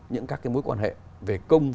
những các cái mối quan hệ về công